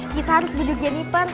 kita harus bunuh jennifer